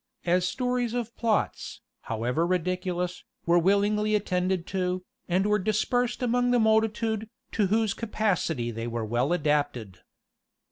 As stories of plots, however ridiculous, were willingly attended to, and were dispersed among the multitude, to whose capacity they were well adapted.